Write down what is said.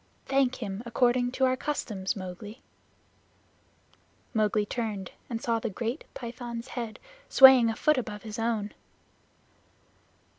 Thank him according to our customs, Mowgli." Mowgli turned and saw the great Python's head swaying a foot above his own.